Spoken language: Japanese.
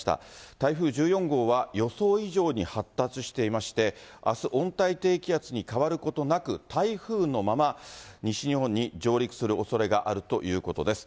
台風１４号は予想以上に発達していまして、あす、温帯低気圧に変わることなく、台風のまま、西日本に上陸するおそれがあるということです。